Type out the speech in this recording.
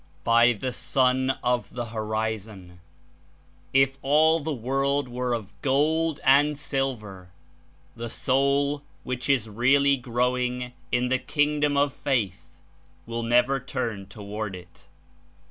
"By the Sun of the Horizon! If all the world were of gold and silver, the soul, which is really growing in the Kingdom of faith, will never turn The toward it.